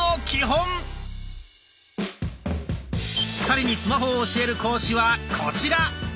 ２人にスマホを教える講師はコチラ。